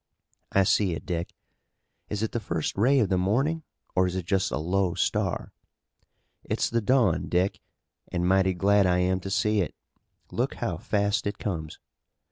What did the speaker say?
"I see it, Dick." "Is it the first ray of the morning, or is it just a low star?" "It's the dawn, Dick, and mighty glad I am to see it. Look how fast it comes!"